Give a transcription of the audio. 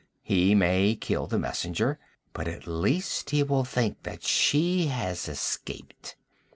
He may kill the messenger, but at least he will think that she has escaped.